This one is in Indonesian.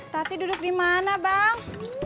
tapi duduk di mana bang